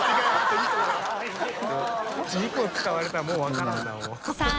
２個使われたらもう分からんなもう。